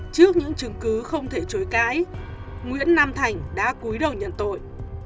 trước những chứng cứ không thể chối cãi nguyễn nam thành đã cuối đầu nhận tội